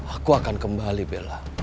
aku akan kembali bella